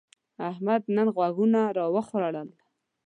احمد نن غوږونه راوخوړل.